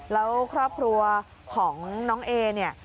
แล้วครอบครัวของน้องเอเนี่ย